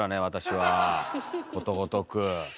私はことごとく。